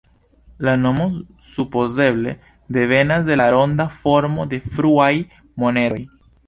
La nomo supozeble devenas de la ronda formo de fruaj moneroj.